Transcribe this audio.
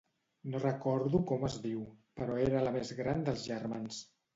No recordo com es diu, però era la més gran dels germans.